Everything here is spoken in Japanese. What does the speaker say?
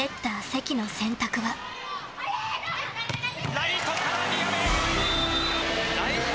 ライトから宮部。